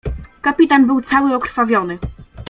"Kapitan był cały okrwawiony."